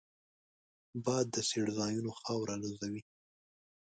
باد د څړځایونو خاوره الوزوي